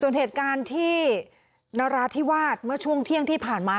ส่วนเหตุการณ์ที่นราธิวาสเมื่อช่วงเที่ยงที่ผ่านมา